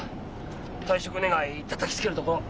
退職願たたきつけるとこ。